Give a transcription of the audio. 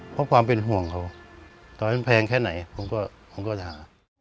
เพราะความเป็นห่วงเขาต่อให้มันแพงแค่ไหนผมก็จะหา